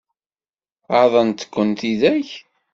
Ɣaḍent-kent tidak?